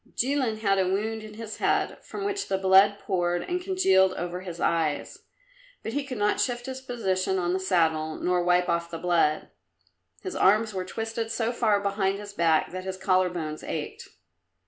Jilin had a wound in his head, from which the blood poured and congealed over his eyes, but he could not shift his position on the saddle, nor wipe off the blood. His arms were twisted so far behind his back that his collar bones ached.